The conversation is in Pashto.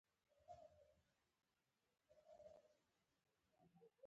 مالګه یې پرې واچوله او پاس بالاخانه کې یې.